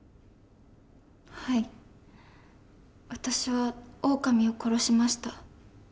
はい私はオオカミを殺しました。